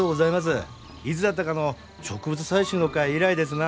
いつだったかの植物採集の会以来ですな。